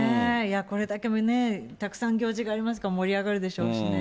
これだけたくさん行事がありますから、盛り上がるでしょうしね。